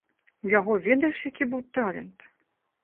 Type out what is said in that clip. У яго ведаеш, які быў талент?